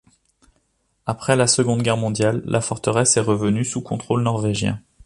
Après la Seconde Guerre mondiale, la forteresse est revenue sous contrôle norvégien.